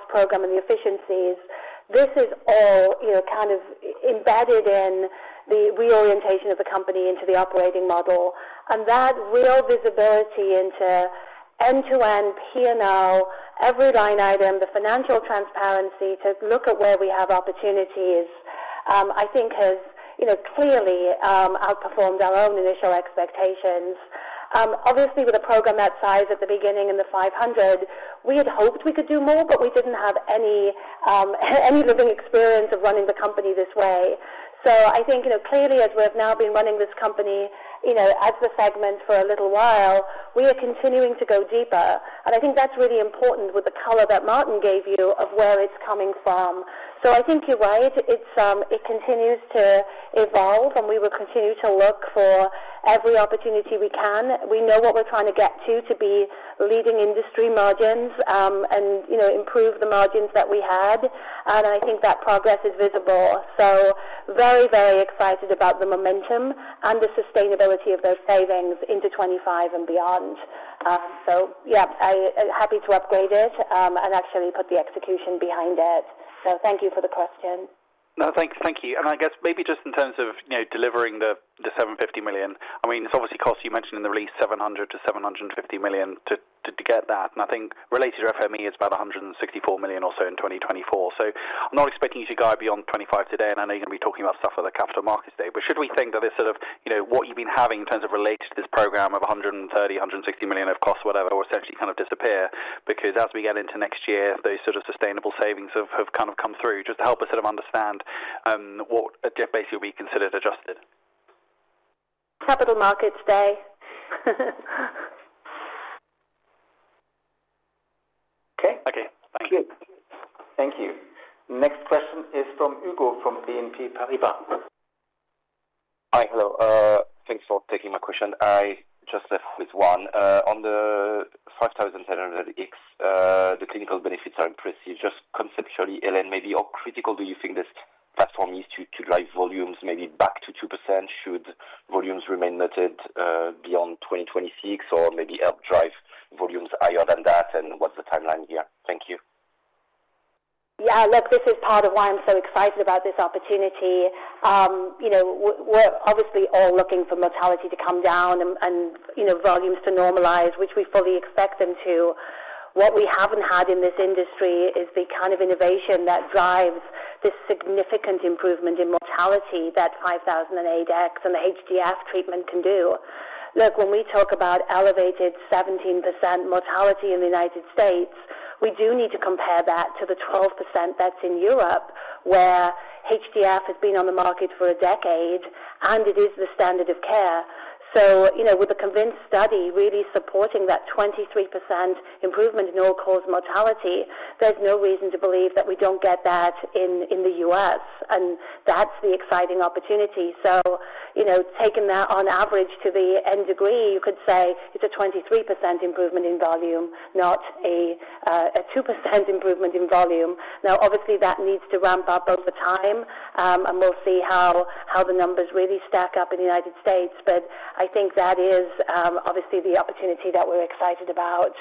program and the efficiencies. This is all kind of embedded in the reorientation of the company into the operating model. That real visibility into end-to-end P&L, every line item, the financial transparency to look at where we have opportunities, I think has clearly outperformed our own initial expectations. Obviously, with a program that size at the beginning in the 500, we had hoped we could do more, but we didn't have any living experience of running the company this way. So I think clearly, as we have now been running this company as the segment for a little while, we are continuing to go deeper, and I think that's really important with the color that Martin gave you of where it's coming from. So I think you're right. It continues to evolve, and we will continue to look for every opportunity we can. We know what we're trying to get to, to be leading industry margins and improve the margins that we had. And I think that progress is visible, so very, very excited about the momentum and the sustainability of those savings into 2025 and beyond. So yeah, happy to upgrade it and actually put the execution behind it. So thank you for the question. No, thank you. And I guess maybe just in terms of delivering the 750 million, I mean, it's obviously cost. You mentioned in the release 700 million-750 million to get that. And I think related to FME, it's about 164 million or so in 2024. So I'm not expecting you to guide beyond 2025 today, and I know you're going to be talking about stuff for the Capital Markets Day. But should we think that this sort of what you've been having in terms of related to this program of 130-160 million of cost, whatever, will essentially kind of disappear? Because as we get into next year, those sort of sustainable savings have kind of come through. Just to help us sort of understand what basically will be considered adjusted. Capital Markets Day. Okay. Okay. Thank you. Thank you. Next question is from Hugo from BNP Paribas. Hi, hello. Thanks for taking my question. I just have one. On the 5008X, the clinical benefits are impressive. Just conceptually, Helen, maybe how critical do you think this platform is to drive volumes maybe back to 2% should volumes remain negative beyond 2026 or maybe help drive volumes higher than that? And what's the timeline here? Thank you. Yeah. Look, this is part of why I'm so excited about this opportunity. We're obviously all looking for mortality to come down and volumes to normalize, which we fully expect them to. What we haven't had in this industry is the kind of innovation that drives this significant improvement in mortality that 5008X and the HDF treatment can do. Look, when we talk about elevated 17% mortality in the United States, we do need to compare that to the 12% that's in Europe, where HDF has been on the market for a decade, and it is the standard of care. So with the CONVINCE study really supporting that 23% improvement in all-cause mortality, there's no reason to believe that we don't get that in the U.S., and that's the exciting opportunity. So taking that on average to the nth degree, you could say it's a 23% improvement in volume, not a 2% improvement in volume. Now, obviously, that needs to ramp up over time, and we'll see how the numbers really stack up in the United States. But I think that is obviously the opportunity that we're excited about.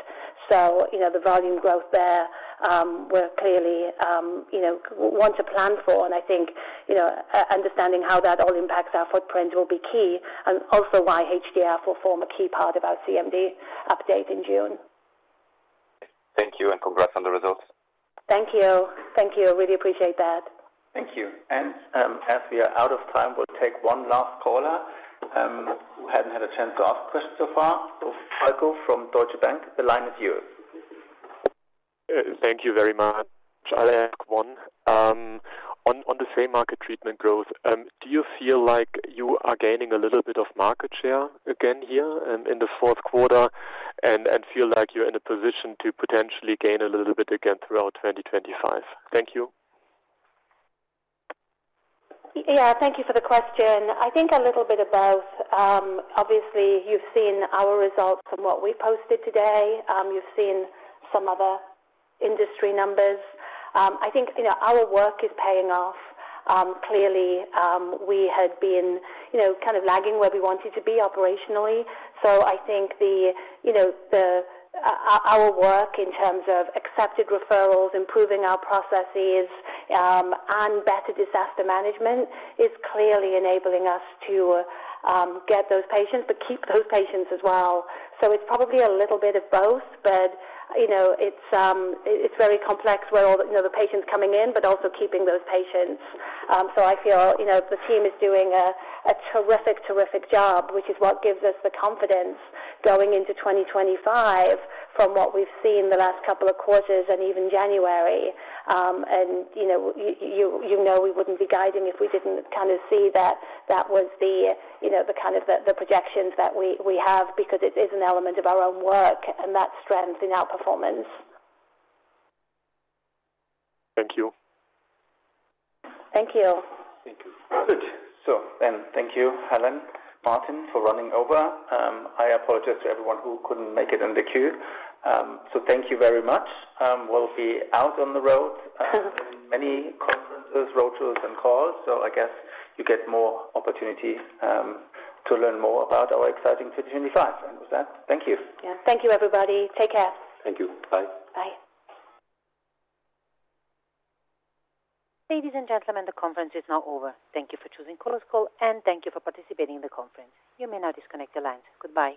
So the volume growth there, we clearly want to plan for. And I think understanding how that all impacts our footprint will be key. And also why HDF will form a key part of our CMD update in June. Thank you. And congrats on the results. Thank you. Thank you. I really appreciate that. Thank you. And as we are out of time, we'll take one last caller who hasn't had a chance to ask a question so far. Michael from Deutsche Bank, the line is yours. Thank you very much. I'll ask one. On the same market treatment growth, do you feel like you are gaining a little bit of market share again here in the fourth quarter and feel like you're in a position to potentially gain a little bit again throughout 2025? Thank you. Yeah. Thank you for the question. I think a little bit of both. Obviously, you've seen our results from what we posted today. You've seen some other industry numbers. I think our work is paying off. Clearly, we had been kind of lagging where we wanted to be operationally. So I think our work in terms of accepted referrals, improving our processes, and better patient management is clearly enabling us to get those patients, but keep those patients as well. So it's probably a little bit of both, but it's very complex where the patient's coming in, but also keeping those patients. So I feel the team is doing a terrific, terrific job, which is what gives us the confidence going into 2025 from what we've seen the last couple of quarters and even January. You know we wouldn't be guiding if we didn't kind of see that was the kind of the projections that we have because it is an element of our own work and that strength in our performance. Thank you. Thank you. Thank you. Good, and thank you, Helen and Martin, for running over. I apologize to everyone who couldn't make it in the queue, so thank you very much. We'll be out on the road in many conferences, roadshows, and calls, so I guess you get more opportunity to learn more about our exciting 2025, and with that, thank you. Yeah. Thank you, everybody. Take care. Thank you. Bye. Bye. Ladies and gentlemen, the conference is now over. Thank you for choosing Chorus Call, and thank you for participating in the conference. You may now disconnect your lines. Goodbye.